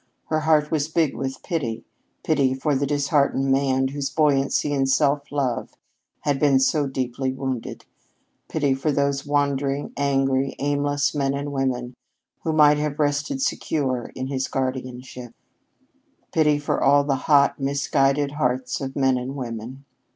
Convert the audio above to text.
Her heart was big with pity pity for that disheartened man whose buoyancy and self love had been so deeply wounded, pity for those wandering, angry, aimless men and women who might have rested secure in his guardianship; pity for all the hot, misguided hearts of men and women.